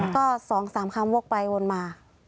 ก็สองสามคำวกไปวนมา